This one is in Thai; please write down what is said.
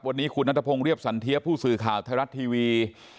วันนี้คุณนัทพงศ์เรียบสันเทียผู้สื่อข่าวไทยรัฐทีวี